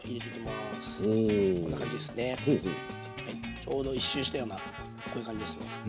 ちょうど１周したようなこういう感じですね。